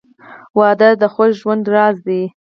• واده د خوښ ژوند راز دی.